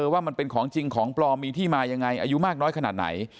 ว่ามันเป็นของจริงของปลอมมีที่มายังไงอายุมากน้อยขนาดไหน